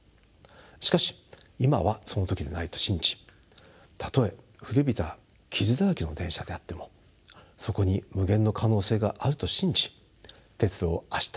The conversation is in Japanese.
しかし今はその時ではないと信じたとえ古びた傷だらけの電車であってもそこに無限の可能性があると信じ鉄路を明日につないでまいりたいと思います。